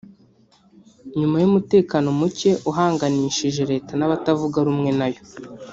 nyuma y’umutekano muke uhanganishije leta n’abatavuga rumwe nayo